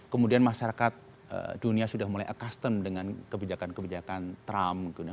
kemudian masyarakat dunia sudah mulai accustom dengan kebijakan kebijakan trump